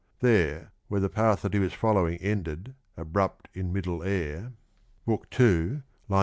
There when the path that he was following ended " abrupt in middle air " (II.